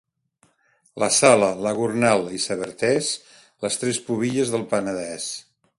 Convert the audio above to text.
La Sala, la Gornal i Sabartés, les tres pubilles del Penedès.